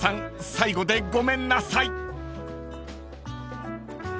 最後でごめんなさい］